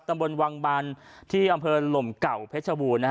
ตำบลวังบันที่อำเภอหลมเก่าเพชรบูรณ์